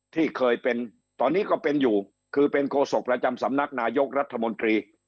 ที่เคยเป็นตอนนี้ก็เป็นอยู่คือเป็นโฆษกประจำสำนักนายกรัฐมนตรี